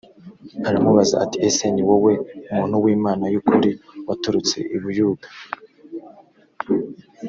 aramubaza ati ese ni wowe muntu w imana y ukuri waturutse i buyuda